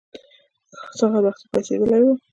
سهار وختي پاڅېدلي وو.